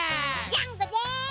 ジャンコです！